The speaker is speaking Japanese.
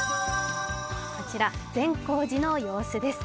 こちら善光寺の様子です。